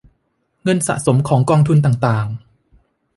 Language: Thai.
เงินสะสมของกองทุนต่างต่าง